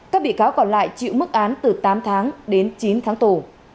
các bị cáo còn lại chịu mức án từ tám tháng đến chín tháng tù